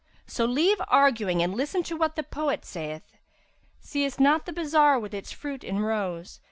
So leave arguing and listen to what the poet saith, 'Seest not the bazar with its fruit in rows?